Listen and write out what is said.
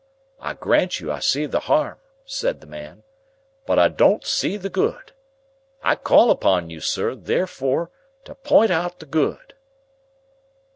I grant you I see the 'arm,' says the man, 'but I don't see the good. I call upon you, sir, therefore, to pint out the good.